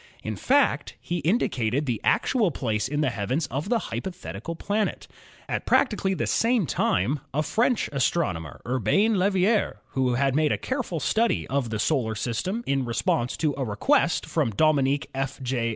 In fact, he indicated the actual place in the heavens of the hypo thetical planet. At practically the same time a French astronomer, Urbain Leverrier (1811 1877), who had made a careful study of the solar system in response to a request from Dominique F. J.